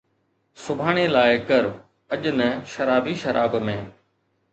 سڀاڻي لاءِ ڪر، اڄ نه شرابي شراب ۾